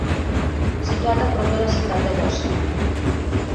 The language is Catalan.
Situat a prop de la ciutat de Boston.